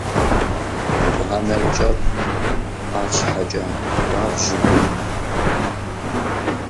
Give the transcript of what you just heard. Гъуэгуанэр кӏэщӏт, арщхьэкӏэ хуабжьу гугъут.